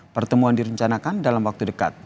pertemuan direncanakan dalam waktu dekat